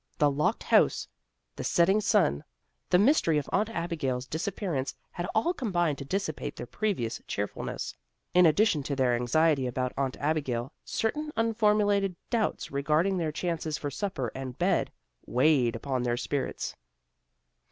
The locked house, the setting sun, the mystery of Aunt Abigail's disappearance had all combined to dissipate their previous cheerfulness. In addition to their anxiety about Aunt Abigail, certain unformulated doubts regarding their chances for supper and bed, weighed upon their spirits.